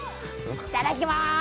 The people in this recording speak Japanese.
いただきまーす。